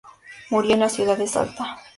Murió en la Ciudad de Salta.